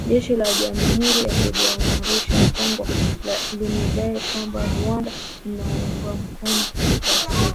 Jeshi la Jamhuri ya kidemokrasia ya Kongo limedai kwamba Rwanda inawaunga mkono waasi hao.